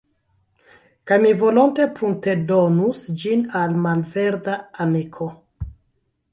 Kaj mi volonte pruntedonus ĝin al malverda amiko.